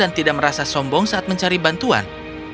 yang tidak merasa sombong saat mencari bantuan